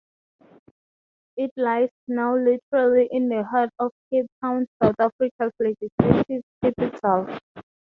It lies now literally in the heart of Cape Town, South Africa's Legislative Capital.